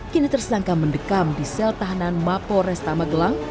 kini tersangka mendekam di sel tahanan mapo restamagelang